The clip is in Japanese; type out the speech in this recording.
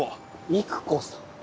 「郁子さん」？